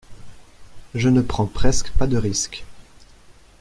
Je ne prends presque pas de risques.